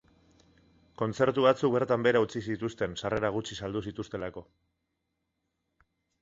Kontzertu batzuk bertan behera utzi zituzten sarrera gutxi saldu zituztelako.